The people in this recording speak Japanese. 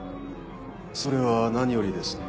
それは何よりです。